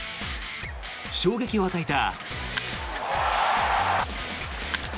衝撃を与えた。